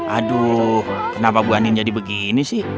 aduh kenapa bu anin jadi begini sih